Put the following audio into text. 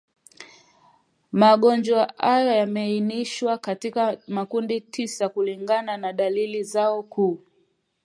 Magonjwa hayo yameainishwa katika makundi tisa kulingana na dalili zao kuu